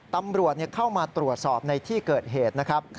ตำรวจเข้ามาตรวจสอบในที่เกิดเหตุนะครับ